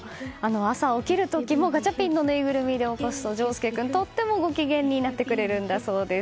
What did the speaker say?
朝、起きる時もガチャピンのぬいぐるみで起こすと丞亮君、とってもご機嫌になってくれるそうです。